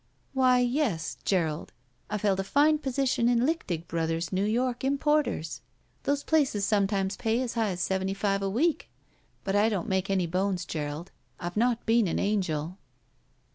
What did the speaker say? Why, yes, Gerald; I've held a fine position in Lichtig Brothers, New York importers. Those places sometimes pay as high as seventy five a week. But I don't make any bones, Gerald; I've not been an angel."